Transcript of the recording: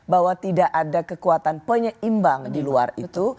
bahwa tidak ada kekuatan penyeimbang di luar itu